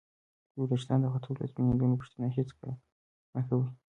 د ورېښتانو د ختلو او سپینېدلو پوښتنه هېڅکله مه کوئ!